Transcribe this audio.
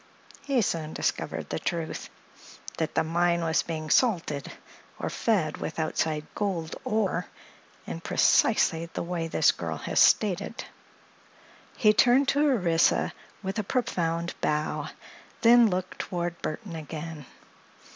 He soon discovered the truth—that the mine was being 'salted' or fed with outside gold ore in precisely the way this girl has stated." He turned to Orissa with a profound bow, then looked toward Burthon again.